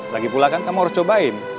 lagi pula kan kamu harus cobain